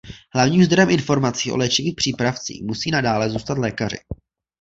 Hlavním zdrojem informací o léčivých přípravcích musí nadále zůstat lékaři.